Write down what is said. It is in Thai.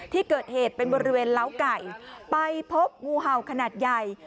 ที่เกิดเหตุเป็นบริเวณเล้าไก่ไปพบงูเห่าขนาดใหญ่